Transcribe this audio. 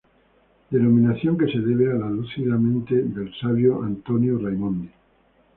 Denominación que se debe a la lúcida mente del Sabio Antonio Raimondi.